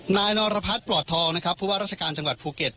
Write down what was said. นายนรพัฒน์ปลอดทองนะครับผู้ว่าราชการจังหวัดภูเก็ต